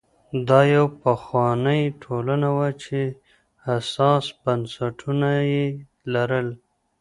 دا یوه پخوانۍ ټولنه وه چې حساس بنسټونه یې لرل.